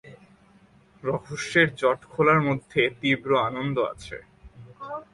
রহস্যের জট খোলার মধ্যে তীব্র আনন্দ আছে।